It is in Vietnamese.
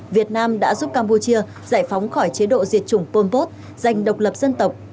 việt nam đã giúp campuchia giải phóng khỏi chế độ diệt chủng pol pot dành độc lập dân tộc